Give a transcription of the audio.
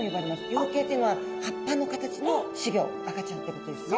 葉形っていうのは葉っぱの形の仔魚赤ちゃんってことですね。